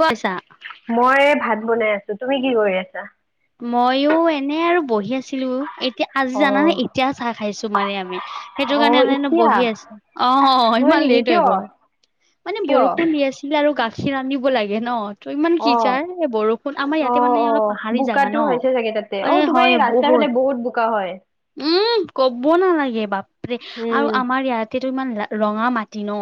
কোৱাছা। মই ভাত বনাই আছো তুমি কি কৰি আছা। মইয়ো এনে আৰু বহি আছিলো। এতিয়া আজি অ জানানে এতিয়া চাহ খাইছো মানে আমি সেইটো অ কাৰণে এনে এনে এতিয়া বহি আছো। অ, অ, হয় ইমান নেকি লেট হৈ কিয় গল মানে কিয় বৰষুণ দি আছিল। িল আৰু গাখীৰ ৰান্ধিব লাগে ন টো ইমান অ কিছাৰ এ বৰষুণ আমাৰ অ ইয়াতে মানে অ অলপ পাহাৰী। জাগা বোকাটো ন হৈছে চাগে তাতে অ এ তোমাৰ হয় এই ৰাস্তাৰ ফালে বহুত বোকা হয়। উম, ক'ব নালাগে বাপৰে আৰু উম আমাৰ ইয়াত। তাতেটো ইমান ৰঙা মাটি ন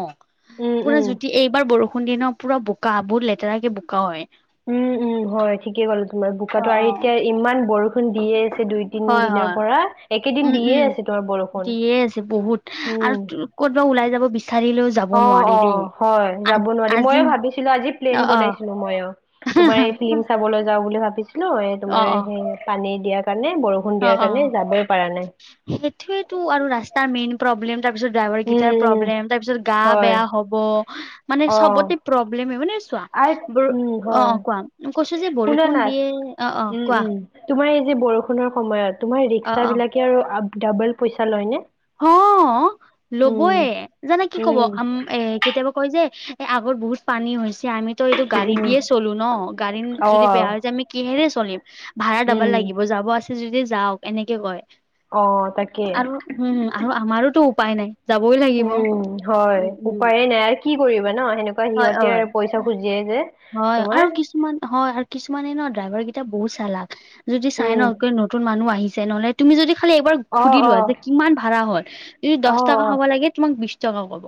উম পুৰা উম যদি এইবাৰ বৰষুণ দিয়ে ন। পুৰা বোকা বহুত লেতেৰাকে বোকা হয়। উম, উম, হয় ঠিকে ক'লে তোমাৰ অ বোকাটো অ আৰু এতিয়া ইমান বৰষুণ দিয়ে আছে দুই দিন। তিন হয় দিনৰ হয় পৰা একেদিন উম উম দিয়ে আছে তোমাৰ বৰষুণ দিয়ে আছে বহুত আৰু হম। ক'তবা ওলাই যাব বিচাৰিলেও। যাব অ, নোৱাৰি অ, দেই হয় আ যাব নোৱাৰি আজি ময়ো ভাবিছিলো আজি অ প্লেন অ বনাইছিলো ময়ো। তোমাৰ এই ফিল্ম চাবলৈ যাও বুলি ভাবিছিলো এই অ তোমাৰ অ সেই পানী দিয়াৰ কাৰণে বৰষুণ দিয়াৰ কাৰণে যাবই পৰা নাই। সেইটোয়েটো আৰু ৰাস্তাৰ মেইন প্ৰব্লেম তাৰপিছত ড্ৰাইভাৰ উম, কেইটাৰ উম, প্ৰব্লেম তাৰ পিছত গা হয় বেয়া হ'ব। মানে অ', চবতে প্ৰব্লেমে মানে। কোৱা আৰু ব উম, অ, হয়। অ, কোৱা কৈছো যে শুনা না বৰষুণ দিয়ে অ, অ, উম, কোৱা। উম, তোমাৰ এই যে বৰষুণৰ সময়ত তোমাৰ অ ৰিক্সা অ বিলাকে আৰু ডাবল পইচা লয় নে। হ ল'বয়ে জানা কি ক'ব উম, আম এ কেতিয়াবা কয় যে এ আগত বহুত পানী হৈছে আমিত টো এইটো গাড়ী উম, দিয়ে চলো ন গাড়ী যদি বেয়া অ', হৈ যায় আমি কিহেৰে চলিম। ভাড়া ডাবল উম, লাগিব যাব আছে যদি যাওক এনেকে কয়। অ, তাকে। উম, আৰু আমাৰোতো উপায় নাই। যাবই লাগিব উম, হয় উম উম উপায়ে নাই আৰু কি কৰিবা ন সেনেকুৱা হয় সিহঁতে হয় আৰু পইচা খুজিয়ে যে। হয় তোমাৰ আৰু কিছুমান হয় আৰু কিছুমানে ন ড্ৰাইভাৰ কেইটা বহু চালাক। যদি চাই উম, ন কি নতুন মানুহ আহিছে নহলে তুমি যদি খালি এবাৰ অ', সুধি লোৱা অ', যে কিমান ভাড়া হ'ল। যদি অ', দহ টকা হব অ'। লাগে তোমাক বিশ টকা ব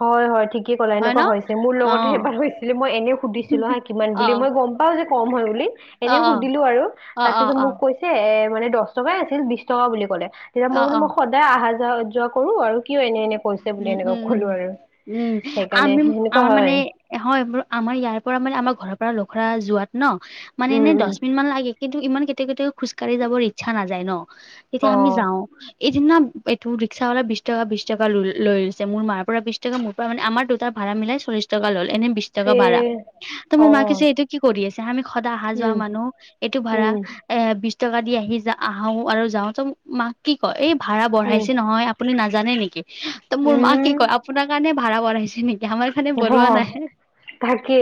হয় হয় ঠিকেই ক'লা এনেকুৱা হৈছে মোৰ অ লগতো এবাৰ হৈছিলে মই এনেও সুধিছিলো হা কিমান অ বুলি মই গম গম পাও যে কম হয় বুলি অ অ এনে সুধিলো আৰু অ তাৰ অ পিছত অ মোক কৈছে। এ মানে দহ টকাই আছিল বিশ টকা বুলি ক'লে তেতিয়া অ মই মানে অ মই সদায়। সদায় অহা যোৱা যোৱা কৰো আৰু কিয় এনে এনে কৈছে বুলি উম এনেকুৱা উম ক উম হ'লো আৰু উম সেইকাৰণে আমি সেনেকুৱা আমাৰ মানে হয়। হয় বাৰু আমাৰ ইয়াৰ পৰা মানে আমাৰ ঘৰৰ পৰা লখৰা যোৱাত ন মানে উম, এনে উম, দহ মিনিট মান লাগে। কিন্তু ইমান কেতিয়াবা কেতিয়াবা খোজকাঢ়ি যাবৰ ইচ্ছা নাযায় ন তেতিয়া আমি অ', যাওঁ। এদিন না এইটো ৰিক্সা বালা বিশ টকা বিশ টকা লৈ লৈ লৈছে মোৰ মাৰ পৰা বিশ টকা মোৰ পৰা মানে আমাৰ দুটাৰ ভাৰা মিলাই চল্লিছ টকা ল'লে এনে বিশ। টকা এ ভাৰা ত মোৰ মাক কৈছে অ', এইটো কি কৰি আছে আমি সদায় অহা যোৱা উম। মানুহ এইটো ভাড়া। উম, এ বিশ টকা দি আহি য আহো আৰু যাও ত মাক কি কয় এই ভাড়া উম, বঢ়াইছে নহয়। আপুনি নাজানে নেকি ত মোৰ মা কি কয় উম, আপোনাৰ কাৰণে ভাড়া বঢ়াইছে নেকি আমাৰ। কাৰণে অঃ বঢ়োৱা নাই তাকে।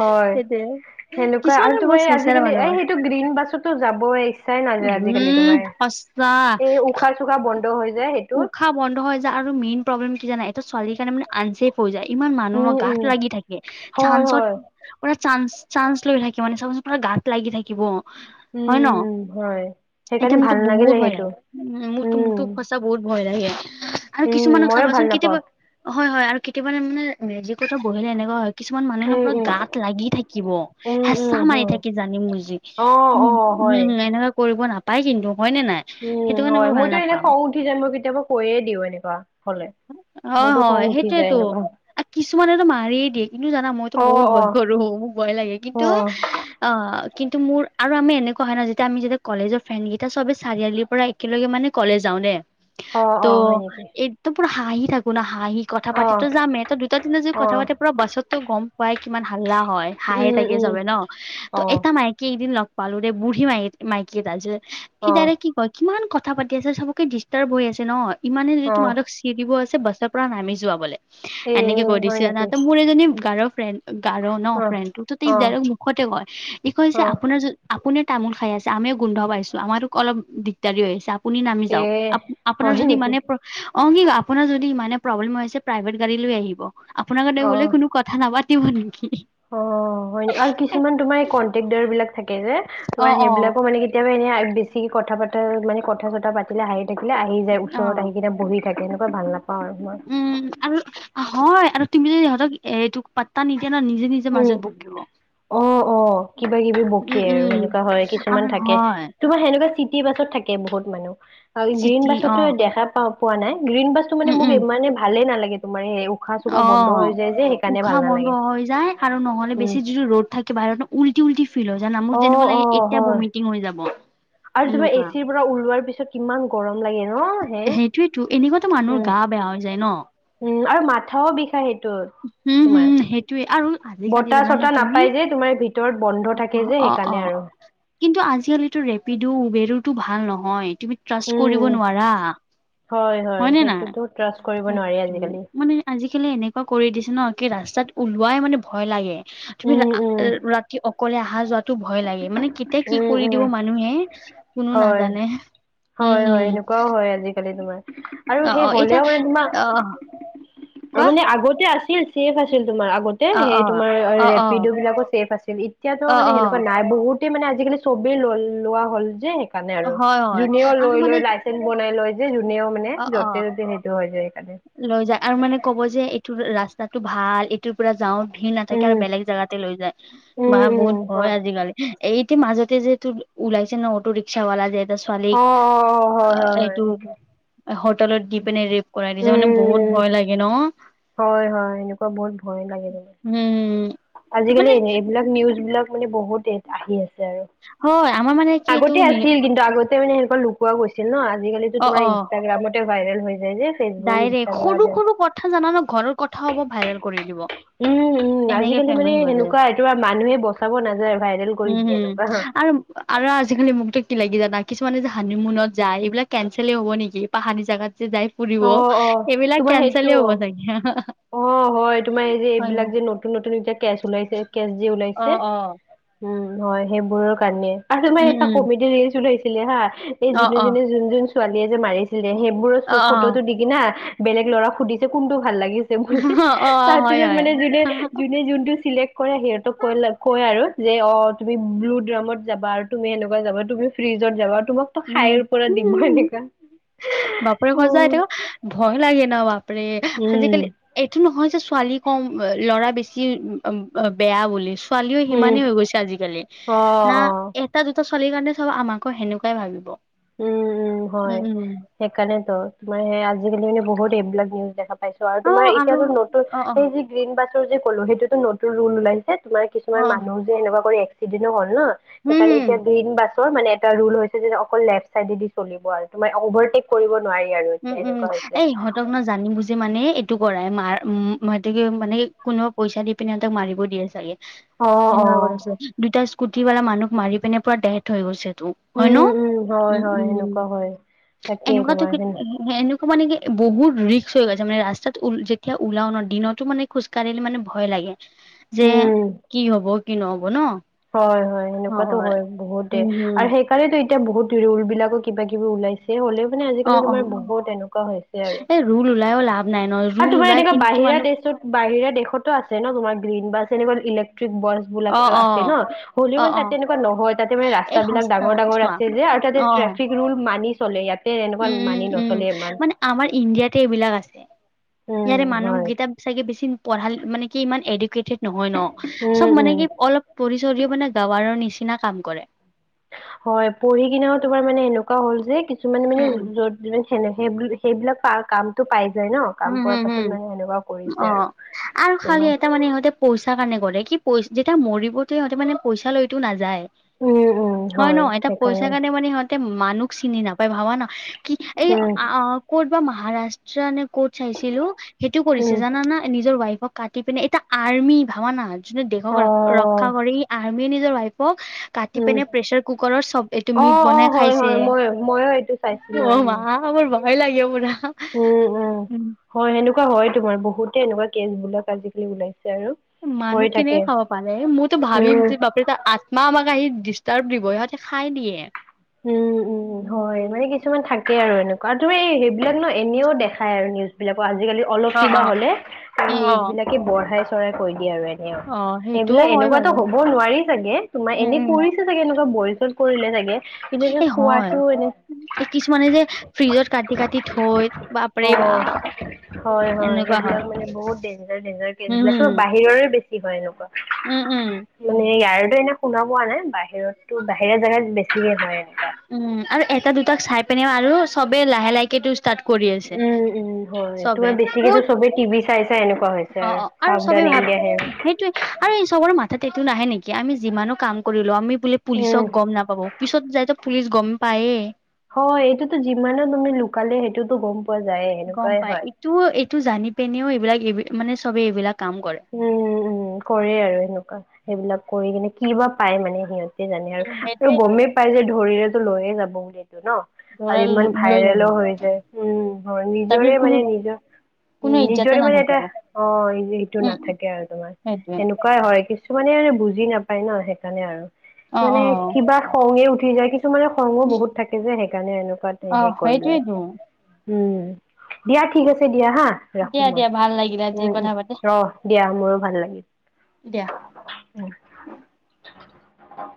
হয় সেইটোয়ে সেনেকুৱা আৰু কিছুমানৰ বহুত তুমাৰ এই চেচেৰা আজিকালি মানুহ এ হয় সেইটো গ্ৰীণ বাছতো যাবই। চাই নাযায় আজিকালি উম তোমাৰ সঁচা এই উশাহ চুষাহ বন্ধ হৈ যায় সেই। উশাহ বন্ধ হৈ যায় আৰু মেইন প্ৰব্লেম কি জানা এইটো ছোৱালীৰ কাৰণে মানে। আনচেফ হৈ যায় ইমান মানুহৰ উম, গাত উম, লাগি থাকে হয়, চাঞ্চত। হয়। পুৰা চান্স চান্স লৈ থাকিব মানে চাবচোন পুৰা গাত লাগি থাকিব উম, হয় ন উম, হয় এইটো সেইকাৰণে ভাল মোৰতো নালাগিলে বহুত ভয় সেইটো লাগে উ মোৰটো উম। মোৰটো বহুত ভয় লাগে আৰু উম, কিছুমানক ময়ো ভাল চাবাচোন নাপাওঁ কেতিয়াবা হয় হয় আৰু কেতিয়াবানে মানে মেজিকতো বহিলে এনেকুৱা হয় কিছুমান মানুহেনো উম, পূৰা উম, গাত লাগি থাকিব উম, হেঁচা উম, মাৰি উম। থাকে জানি বুজি অ', উম অ', হয়। উম এনেকা কৰিব নাপায় কিন্তু হয়নে নাই? সেইটো উম কাৰণে হয় মই ভাল মইতো এনেই নাপাম খং উঠি যাম মই কেতিয়াবা কৈয়ে দিওঁ এনেকুৱা হ'লে। অ', মোৰতো খং হয় উঠি সেইটোৱে যায় তো এনেকুৱা। কিছুমানেতো মাৰিয়ে দিয়ে কিন্তু জানা মইতো অ', বহুত ভয় অ', কৰো মোক ভয় লাগে কিন্তু অ', অ', কিন্তু মোৰ আৰু আমি এনেকুৱা হয় ন যেতিয়া আমি যেতিয়া কলেজৰ ফ্ৰেণ্ড কেইটা সবে চাৰিআলিৰ পৰা একেলগে মানে কলে যাওঁ নে অ', ত' অ', হয় নেকি? একদম পুৰা হাঁহি থাকো না হাঁহি কথা অ', পাতিতো যামেই তো দুটা তিনা জুৰি কথা অ', পা পুৰা বাছতটো গম পাই কিমান হাল্লা হয় হাঁহে উম, থাকে উম, চবে ন ত অ', এটা মাইকী এদিন লগ পালুৰে বুঢ়ী ম মাইকিয়ত আছে ই অ', দ্বাৰা কি ক কিমান কথা পাতি আছে চবকে ডিষ্টাৰ্ব হৈ আছে ন ইমানে যদি অ', তোমালোকক দিব আছে বাছৰ পৰা নামি যোৱা বোলে এ এনেকে কৈ হয় দিছে নেকি? মোৰ এজনী গাৰৰ ফ্ৰেণ্ড গাৰ ন অ', ফ্ৰেণ্ড তটো অ', তাইক মুখতে কয় এই কয় যে অ', আপোনাৰ য আপুনি তামোল খাই আছে আমিও গোন্ধ পাইছো আমাৰো অলপ দিগদাৰি হৈ আছে আপুনি নামি এ যাওক আপোনাৰ হয় যদি নেকি? মানে অ', কি আপোনাৰ যদি ইমানে প্ৰব্লেমছে প্ৰাইভেট গাড়ী লৈ আহিব আপোনাৰগতে বোলে অ', কোনো কথা নাপাতিব নেকি প্ৰক দৰবলাক থাকে যে অ তোমাৰ অ সেইবিলাকো মানে কি কেতিয়াবা এনেই বেছিক কি কথা পতা মানে কথা চতা পাতিলে হাইত থাকিলে আহি যায় অ ওচৰত আহি কেইটা বহি থাকে এনেকুৱা ভাল নাপাও আৰু মই উম আৰু হয় আৰু তুমি য ইহঁতক এ এইটো ত নিজে ন নিজে নিজে উম, মাজত বগিব অ', অ', কিবা কিবি বকিয় উম আৰু সেনেকুৱা হয় কিছুমান আৰু থাকে হয় তোমাৰ সেনেকুৱা চিটি বাছত থাকে বহুত মানুহ গ্ৰীণ চিটি অ বাছতো দেখা পা পোৱা নাই গ্ৰীণ বাছ মানে উম মোক উম ইমানে ভালে নালাগে তোমাৰ উশাহ চোশাহ বন্ধ হৈ অ', যায় যে সেইকাৰণে ভাল উশাহ বন্ধ নালাগে হৈ যায়। আৰু নহ'লে উম বেছি যিটো ৰ'ড থাকে বাহিৰতো উলটি উলটি ফিল হয় জান মোৰ অ যেনেকা অ লাগে এতিয়া হয় বমি টিং হৈ যাব আৰু তোমাৰ এ এনেকুৱা চিৰ পৰা ওলোৱাৰ পিছত কিমান গৰম লাগে ন হে সেইটোয়েতো এনেকুৱাতো মানুহৰ উম গা বেয়া হৈ যায় ন উম আৰু মাথাও বিষা সেইটো তোমাৰ তয়ে আৰু আজিকালি বতাহ জানাান চতাহ তুমি নাপাই যে তোমাৰ ভিতৰত বন্ধ থাকে যে অ', সেইকাৰণে অ' আৰু কিন্তু আজিকালিতো ৰেপিডো উবেৰোটো ভাল নহয় তুমি ট্ৰাষ্ট কৰিব উম নোৱাৰা হয় হয় নে নাই সেইটোতো ত্ৰছ কৰিব নোৱাৰি সেইটোৱে আজিকালি মানে আজিকালি এনেকুৱা কৰি দিছে ন কি ৰাস্তাত ওলোৱাই মানে ভয় লাগে। তুমি উম উম ৰাতি অকলে অহা যোৱাত টো ভয় লাগে মানে কেতিয়া কি উম কৰি উম দিব মানুহে কোনো হয় নাজানে উম হয় হয় উম সেনেকুৱাও হয় আজিকালি তোমাৰ অ আৰু অ সেই এতিয়া হলেও মানে অ তোমাক ত কোৱা মানে আগতে আছিল চছেফ আছিল তোমাৰ আগতে অ অ সেই তোমাৰ অ ৰেপিডো অ বিলাকো চছেফ আছিল এতিয়াতো অ মানে সেনেকুৱা নাই বহুত গো মানে আজিকালি চবেই ল লোৱা হল যে সেইকাৰণে অ আৰু হয় হয় যোনেও আৰু লৈ মানে লৈ লাইছে বনাই লয় যে যোনেও মানে অ অ য'তে সেইটো হৈ যায় সেইকাৰণে লৈ যায় আৰু মানে ক'ব যে এইটো ৰাস্তাটো ভাল পৰাৰা যাও ভিৰ নাথাকে আৰু উম বেলেগ জেগাতে লৈ যায় উম মাহ উম বহুত হয় ভয় আজিকালি এইটো মাজতে যেহেতু ওলাইছে ন অটো ৰিক্সা বালা যেহ এ অ অ অ হয় হয় ছোৱালীক হয় এইটো সেইটো হোটেলত দি পিনে ৰেপ কৰাই দিছে মানে বহুত উম ভয় লাগে ন? হয়, হয়, এনেকুৱা বহুত ভয় লাগে মানে উম আজিকালি মানে এনে এইবিলাক নিউজ বিলাক মানে বহুত আহি আছে আৰু। হয়, আমাৰ মানে কি এইটো আগতে নি আছিল কিন্তু আগতে মানে সেনেকুৱ লুকোৱা গৈছিল ন আজিকালি অ তোমাৰ অ ইনষ্টাগ্ৰামত ভাইৰেল হৈ যায় যে, ফেচবুক ডাইৰেক্ট, ইনষ্টাগ্ৰাম সৰু সৰু কথা জানান ঘৰৰ কথা হব ভাইৰেল কৰি দিব। উম, উম, এনেকে আজিকালি মানে ফেমাচ হৈ যায় সেনেকুৱা এইটো মানুহে বচাব নাযায় ভাইৰেল কৰি উম দিয়ে হম এনেকুৱা হা আৰু আৰু আজিকালি মোকত কি লাগি জানা কিছুমানে যে হানি মনত যায় এইবিলাক কেনচেলেই হ'ব নেকি পাহানি জোগাত যে যায় ফুৰিব অ অ এইবিলাক তোমাৰ কেনচেল সেইটো হ'ব চাগে। অ', হয় তোমাৰ এই যে হয় এইবিলাক যে নতুন নতুন যে কেচ ওলাইছে কেচ যে অ ওলাইছে, অ উম, হয় সেইবোৰৰ কাৰণে আৰু তোমাৰ উম এটা উম কমেডি ৰিলচ ওলাইছিলে হা এই অ যোনে অ যোনে যোন যোন ছোৱালীয়ে যে মাৰিছিলে সেইবোৰৰ অ চুখ অ ফটোটো দি কিনা বেলেগ ল'ৰা সুধিছে কোনটো ভাল লাগিছে বুলি অ অ তাৰ হয় পিছত হয় মানে যোনে যোনে যোনটো চিলেক্ট কৰে সিহঁতক কৈ কয় আৰু যে অ' তুমি ব্লু ড্ৰামত যাবা আৰু তুমি সেনেকুৱা যাবা তুমি ফ্ৰিজত যাবা আৰু তোমাক তো খাইৰ পৰা দিব উম এনেকুৱা। বাপৰে সজাই উম তেওঁ ভয় লাগে ন বাপৰে উম আজিকালি এইটো নহয় যে ছোৱালী কম ল'ৰা বেছি বেয়া বুলিছো ছোৱালীও উম সিমানেই হৈ গৈছে আজিকালি, অ না অ তাত দুটা চোৱালীৰ কাৰণে চব আমাকো সেনেকুৱাই ভাবিব। উম উম হয় সেইকাৰণেতো তোমাৰ আজিকালি মানে বহুত এইবিলাক নিজ দেখা পাইছো আৰু অ তোমাৰ আৰু এতিয়াটো নতুন অ অ সেই যি গ্ৰীণ বাছৰ যে কলো সেইটো নতুন ৰুল ওলাইছে তোমাৰ অ কিছুমান মানুহ যে এনেকুৱা কৰি এক্সিডেন্টো হল ন উম সেইকাৰণ হম এতিয়া গ্ৰীণ বাছ মানে এটা ৰোল হৈছে যে অকল লেফ্ট চাইডে দি চলিব আৰু তোমাৰ অভাৰটেক কৰিব নোৱাৰি আৰু। উম এতিয়া উম এনেকুৱা হৈছে। এ ইহঁতক ন জানি বুজি মানে কৰাই মাৰ উ মানে কোনেও পইচা দি পিনে সিহঁতক মাৰিব দিয়ে চাগে। অ' সনেকুৱা অ' কৰিছে দুটা স্কুটি বালা মানুহ মাৰি পিনে পুৰা ডেথ হৈ গৈছে তো। হয় ন? উম উম হয় উম, হয় উম, সেনেকুৱা হয়। তাকেই এনেকুৱাতো তোমাৰ সেন এনেকুৱা মানে কি বহুত ৰিক্স হৈ গৈছে মানে ৰাস্তাত যেতিয়া ওলাও ন দিনতো মানে খোজ কাঢ়িলে মানে ভয় লাগে যে উম কি হব কি নহব ন। হয়, হয়, সেনেকুৱাতটো হয় বহুতে উম হম আৰু সেইকাৰণো এতিয়া বহুত ৰোল বিলাকো কিবা কিবি ওলাইছ হ'লেও মানে অ আজিকালি অ তোমাৰ বহুত এনেকুৱা হৈছে আৰু। এই ৰুল ওলাইও লাভ নাই ন আৰু ৰুল তোমাৰ ওলাই এনেকুৱা কিন্তু বাহিৰা মানুহ দেশত বাহিৰা দেশতো আছে ন তোমাৰ গ্ৰীণ বাছ এনেকুৱা ইলেক্ট্ৰিক বাছ অ বিলাক। অ ন হ'লও অ মান অ তাত তেনেকুৱা নহয় তাতে মানে এই ৰাস্তাাবলাক সঁচা ডাঙৰ ডাঙৰ চোৱা আছে যে আৰু তাতে অ অ ট্ৰেফিক ৰুল মানি চলে ইয়াতে এনেকুৱা উম উম মানি উম নচলে ইমান মানে আমাৰ ইণ্ডিয়াতে এইবিলাক আছে উম ইয়াতে মানুহ হয় কেইটা চাগে বেছি পঢ়াল মানে কি ইমান এডুকেটেড নহয় ন চব উম মানে উম কি অলপ পৰিচয় টো মানে গাঁৱাৰৰ নিচিনা কাম কৰে হয় পঢ়ি কিনাও তোমাৰ মানে এনেকুৱা হ'ল যে কিছুমানে মানে উম উম য সেনে সেইবিলাক কামটো পাই যায় ন কাম উম পোৱাৰ হম পাছত হম মানে সেনেকুৱা কৰিছে আৰু অ' আৰু খালি তোমাৰ এটাাৰ মানে সিহঁতে পইচা কাৰণে কৰে কি পই যেতিয়া মৰিব যে সিহঁতে মানে পইচালৈতো নাযায়। উম উম হয় ন? এটা পইচা সেইকাৰণে কাৰণে মানে সিহত মানুহ চিনি নাপায় ভাবা না কি এই উম আ ক'ত বা মহাৰাষ্ট্ৰ নে ক'ত চাইছিলো সেইটো কৰিছে উম জানানা নিজৰ ৱাইফক কাটি পিনে এটা আৰ্মি ভাৱানা, যোনে অ দেশক ৰক্ষা কৰি আৰ্মীয়ে নিজৰ ৱাইফক কাটি উম পিনে প্ৰেচাৰ কুকাৰত চব এইটো অ মিট অ বনাই হয় খাইছে। হয় মই ময়ো এইটো চাইছিলো অ' উম মা মোৰ ভয় লাগে পুৰা উম উম হয় সেনেকুৱা হয় তোমাৰ, বহুতে এনেকুৱা কেচবিলাক আজিকালি ওলাইছে আৰু হৈ মানুহ থাকে কেনেকে খাব পাৰে মইতো ভাবিম উম আত্মা আমাক আহি ডিষ্টাৰ্ব দিব সিহঁতে খাই দিয়ে। উম, উম হয় মানে কিছুমান থাকে আৰু এনেকুৱা আৰু, তূমি সেইবিলাক ন এনেও দেখাই আৰু নিউজ বিলাক আজিকালি অলপ অ অ কিবা হ'লে উম অ। নিউজ বিলাকে বঢ়াই চ়াই কৈ দিয়ে আৰু অ সেইটোও সেইবিলাক হয় এনেকুৱাতো বাৰু হ'ব নোৱাৰি চাগে তোমাৰ, উম এনে উম কৰি ছে চাগে এনেকুৱা বয়জন কৰিলে চাগে। এনেকে এই হয় খোৱাতটো এনে এই কিছুমানে যে ফ্ৰিজত কাটি কাটি থৈ বাপৰে অ' বাপ হয়, হয় সেইবিলাক মানে বহুত ডেঞ্জাৰ ডেঞ্জাৰ কেছ উম বিলাক বাহিৰৰে বেছি ছি হয় এনেকুৱা। উম, উম। মানে ইয়াৰেতো এনে শুনা পোৱা নাই, বাহিৰতো বাহিৰা জেগাত বেছিকে হয় এনেকুৱা। উম আৰু এটা দুটাক চাই পেনে আৰু চবেই লাহে লাহেকে তো ষ্টাৰ্ কৰি আছে। উম, উম হয় চবে। তোমাৰ ক'ত বেছিকেতো চবে টিভি চাই চাই এনেকুৱা হৈছে অ আৰু। অ আৰু চাউদান চবেই ভাব ইণ্ডিয়া হে সেইটোৱে। আৰু এই চবৰে মাথাত এইটো নাহে নেকি? আমি যিমানো কাম কৰিলো আমি বোলে উম পুলিচক গ'ম নাপাব। পিছত যাইতো ছত গ'ম পাইয়ে। হয়, এইটোতো যিমানে তুমি লুকালে সেইটোতো গ'ম প পোৱা যায়ে। গ'ম সেনেকুৱাই পাই, হয় এইটোও এইটো জানি পিনেওঁ এইবিলাক এই মানে চবে এইবিলাক কাম কৰে। উম, উম কৰে আৰু এেনেকুৱা সেইবিলাক কৰি কিনে কি বা পায় মানে সিহঁত তে জানে উম আৰু। সেইটোৱেই গ'মেই পাই যে ধৰিলেতো লৈয়ে যাব বোলেটো ন। ধৰা আৰু ইমান লৈ যাব ভাইৰেলো হৈ যায়। উম নিজৰে তাৰপিছত কোনো মানে নিজৰ কোনো উম ইজ্জাতে নিজৰে মানে এটা, নাথাকিব অ' সেইটো উম না। উম আৰু তোমাৰ সেইটোৱে সেনেকুৱাই হয়। কিছুমানে আৰু বুজি নাপায় ন সেইকাৰণে আৰু অ মানে অ কিবা খঙে উঠি যায়, কিছুমানে খঙো বহুত থাকে যে সেইকাৰণে এনেকুৱাত অ হে কৰি লয়, সেইটোৱেইটো উম দিয়া ঠিক আছে দিয়া হা ৰাখো দিয়া মই। দিয়া ভাল লাগিলে আজি উম, কথা পাতি উম অ' দিয়া মোৰো ভাল লাগিল। দিয়া। উম [unintelligible]